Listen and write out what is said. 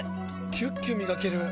キュッキュ磨ける！